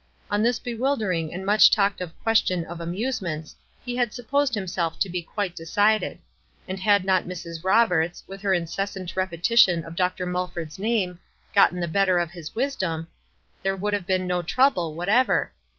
On this bewildering and much talked of question of amusements, he had supposed himself to be quite decided ; and had not Mrs. Roberts, with her incessant repe tition of Dr. Mulford's name, gotten the better oi his wisdom, there would have been no trouble whatever.